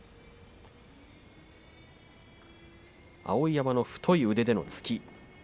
碧山の太い腕での突き。